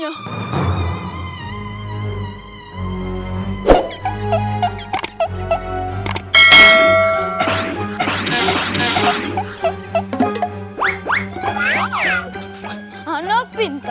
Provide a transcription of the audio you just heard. hai anak pinta